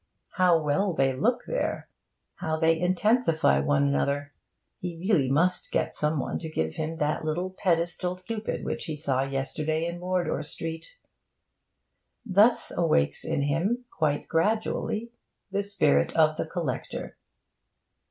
How well they look there! How they intensify one another! He really must get some one to give him that little pedestalled Cupid which he saw yesterday in Wardour Street. Thus awakes in him, quite gradually, the spirit of the collector.